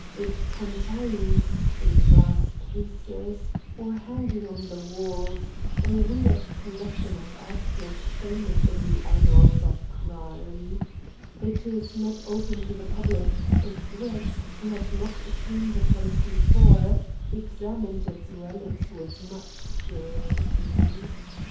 It contains, in glass cases, or hanging on the walls, a weird collection of articles famous in the annals of crime. It is not open to the public, and Brett, who had not seen the place before, examined its relics with much curiosity.